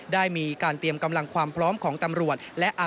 ได้มีการเตรียมกำลังความพร้อมของตำรวจและ